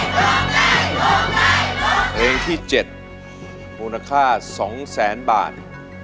เพลงที่๗มูลค่า๒๐๐๐๐๐บาท